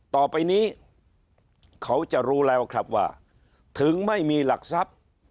ต่อไปนี้เขาจะรู้แล้วครับว่าถึงไม่มีหลักทรัพย์